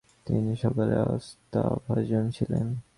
তিনি সকলের আস্থাভাজন ছিলেন।